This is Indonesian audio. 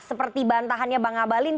seperti bantahannya bang abalin